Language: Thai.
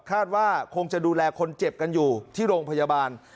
คาดว่าคงจะดูแลคนเจ็บกันอยู่ที่โรงพยาบาล